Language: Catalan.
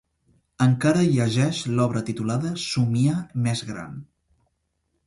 Encara llegeix l'obra titulada "Somiar més gran"